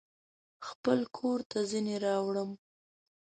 خپل کورته ځینې راوړم